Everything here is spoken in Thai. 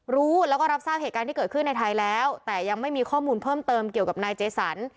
รู้แล้วก็รับทราบเหตุการณ์ที่เกิดขึ้นในไทยแล้วแต่ยังไม่มีข้อมูลเพิ่มเติมเกี่ยวกับนายเจสัน